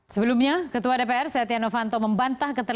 sebelumnya ketua dpr setia novanto membantah keterangan